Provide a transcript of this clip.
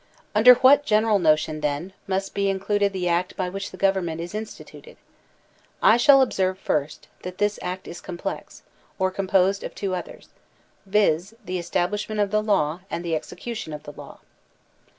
UhTDER what general notion, then, must be inclnded the act by which the government is instituted ? I shall observe first that this act is complex, or composed of two others, viz, the establishment of the law and the execution of the law.